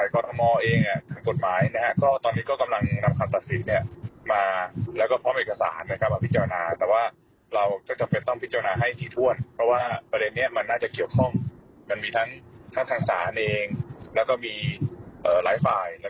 จะเกี่ยวข้องมันมีทั้งทางสารเองแล้วก็มีหลายฝ่ายแล้ว